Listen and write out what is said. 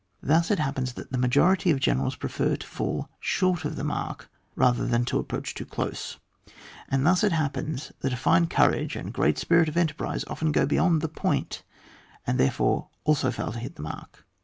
I3lus it happens that the majority of generals prefer to fall short of the mark rather than to approach too close ; and thus it happens that a fine courage and g^eat spirit of enterprise often go beyond the point, and therefore also fkil to hit the mark.